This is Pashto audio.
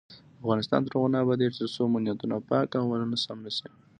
افغانستان تر هغو نه ابادیږي، ترڅو مو نیتونه پاک او عملونه سم نشي.